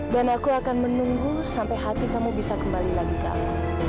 dan aku akan menunggu sampai hati kamu bisa kembali lagi ke aku